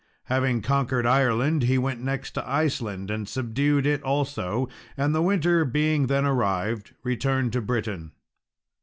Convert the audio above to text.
Having conquered Ireland, he went next to Iceland and subdued it also, and the winter being then arrived, returned to Britain.